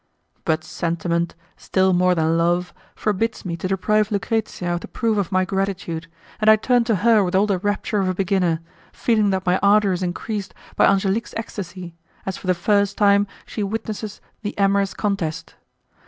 But sentiment, still more than love, forbids me to deprive Lucrezia of the proof of my gratitude, and I turn to her with all the rapture of a beginner, feeling that my ardour is increased by Angelique's ecstasy, as for the first time she witnesses the amorous contest.